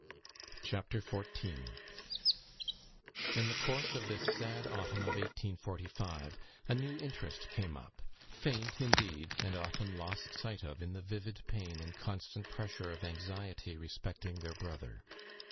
CHAPTER XIV In the course of this sad autumn of 1845, a new interest came up; faint, indeed, and often lost sight of in the vivid pain and constant pressure of anxiety respecting their brother.